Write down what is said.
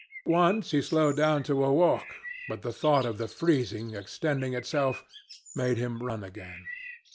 Once he slowed down to a walk, but the thought of the freezing extending itself made him run again.